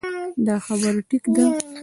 دا خبره ټيک ده -